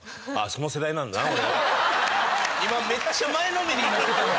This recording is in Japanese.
今めっちゃ前のめりになって。